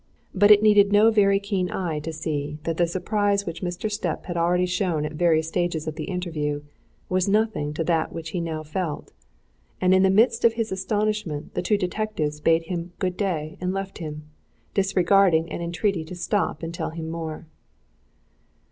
But it needed no very keen eye to see that the surprise which Mr. Stipp had already shown at various stages of the interview was nothing to that which he now felt. And in the midst of his astonishment the two detectives bade him good day and left him, disregarding an entreaty to stop and tell him more.